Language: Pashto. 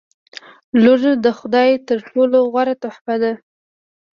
• لور د خدای تر ټولو غوره تحفه ده.